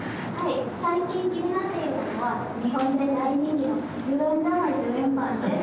最近気になっているのが、日本で大人気の１０円じゃない１０円パンです。